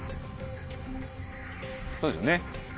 そうですよね